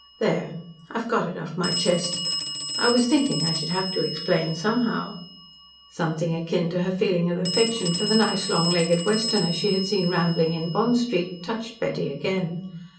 There, I've got it off my chest. I was thinking I should have to explain somehow." Something akin to her feeling of affection for the nice, long legged Westerner she had seen rambling in Bond Street touched Betty again.